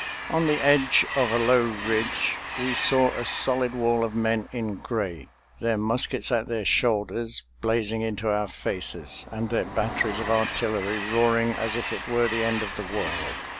On the edge of a low ridge we saw a solid wall of men in gray, their muskets at their shoulders blazing into our faces and their batteries of artillery roaring as if it were the end of the world.